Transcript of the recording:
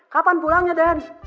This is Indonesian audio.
kapan pulangnya den